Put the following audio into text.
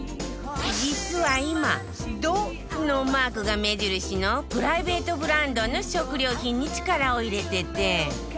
実は今「ド」のマークが目印のプライベートブランドの食料品に力を入れてて